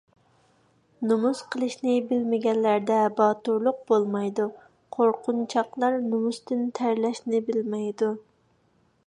نومۇس قىلىشنى بىلمىگەنلەردە باتۇرلۇق بولمايدۇ. قۇرقۇنچاقلار نومۇستىن تەرلەشنى بىلمەيدۇ.